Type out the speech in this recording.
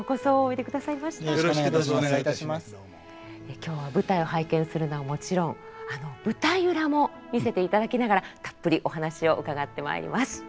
今日は舞台を拝見するのはもちろん舞台裏も見せていただきながらたっぷりお話を伺ってまいります。